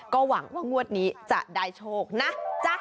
ก็หวังว่างวดนี้จะได้โชคนะจ๊ะ